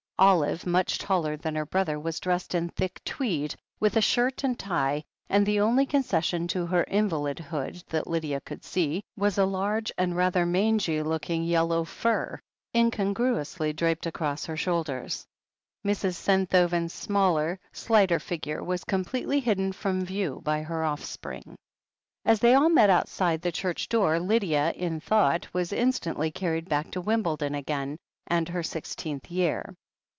Olive, much taller than her brother, was dressed in thick tweed, with a shirt and tie, and the only conces sion to her invalidhood that Lydia could see, was a large and rather mangy looking yellow fur incongru ously draped across her shoulders. Mrs. Senthoven's smaller, slighter figure was com pletely hidden from view by her offspring. THE HEEL OF ACHILLES 193 As they all met outside the church door, Lydia, in thought, was instantly carried back to Wimbledon again, and her sixteenth year.